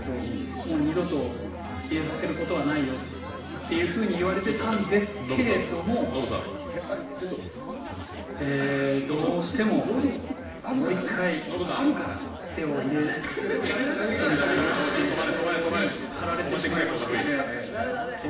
もう二度と入れさせることはないよっていうふうに言われてたんですけれどもえどうしても。っていう衝動に駆られてしまいましてえ